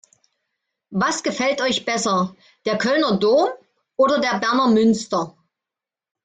Was gefällt euch besser: Der Kölner Dom oder der Berner Münster?